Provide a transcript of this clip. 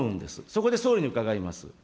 そこで総理に伺います。